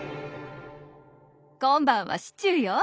今晩はシチューよ。